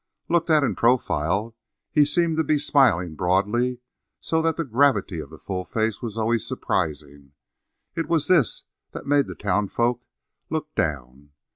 Looked at in profile he seemed to be smiling broadly so that the gravity of the full face was always surprising. It was this that made the townsfolk look down.